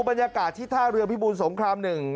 บรรยากาศที่ท่าเรือพิบูรสงคราม๑